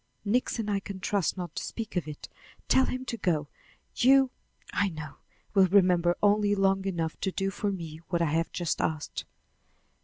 "Nixon I can trust not to speak of it. Tell him to go. You, I know, will remember only long enough to do for me what I have just asked."